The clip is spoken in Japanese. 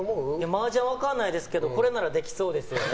マージャン分からないですけどこれならできそうですよね。